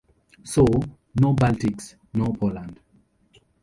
So -- no Baltics, no Poland.